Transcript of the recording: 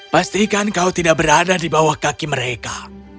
pastikan kau tidak berada di bawah kaki mereka